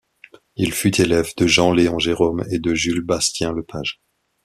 Il fut élève de Jean-Léon Gérôme et de Jules Bastien-Lepage.